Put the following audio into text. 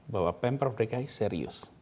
bahwa pemprov dki serius